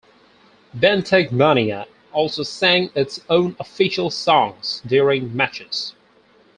"Benteng Mania" also sang its own official songs during matches.